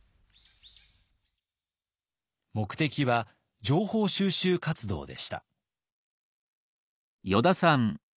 目的は情報収集活動でした。